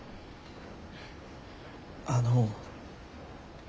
あの。